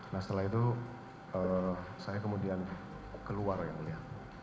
nah setelah itu saya kemudian keluar yang mulia